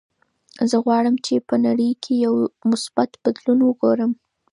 زه غواړم چې په نړۍ کې یو مثبت بدلون وګورم.